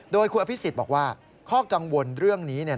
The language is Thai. โดยคุณอภิษฎบอกว่าข้อกังวลเรื่องนี้เนี่ย